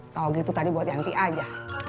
tahu gitu tadi buat yanti aja